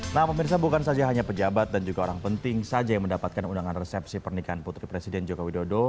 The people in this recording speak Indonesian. nah pemirsa bukan saja hanya pejabat dan juga orang penting saja yang mendapatkan undangan resepsi pernikahan putri presiden joko widodo